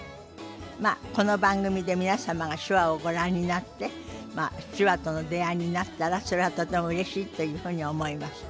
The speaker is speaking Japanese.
まあこの番組で皆様が手話をご覧になって手話との出会いになったらそれはとてもうれしいというふうに思います。